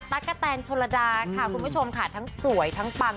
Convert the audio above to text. ตั๊กกะแตนโชลดาค่ะคุณผู้ชมทั้งสวยทั้งปัง